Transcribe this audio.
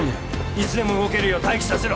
いつでも動けるよう待機させろ！